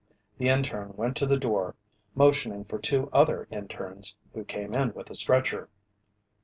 The interne went to the door, motioning for two other internes who came in with a stretcher.